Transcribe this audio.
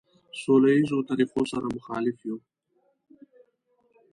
سوله ایزو طریقو سره مخالف یو.